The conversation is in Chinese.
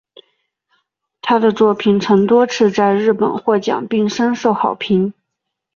她的作品曾多次在日本获奖并深受好评。